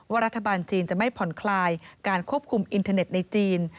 รัฐบาลจีนจะไม่ผ่อนคลายการควบคุมอินเทอร์เน็ตในจีน